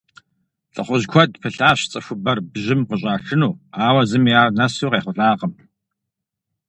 ЛӀыхъужь куэд пылъащ цӀыхубэр бжьым къыщӀашыну, ауэ зыми ар нэсу къехъулӀакъым.